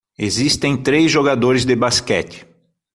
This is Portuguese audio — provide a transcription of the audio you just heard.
Existem três jogadores de basquete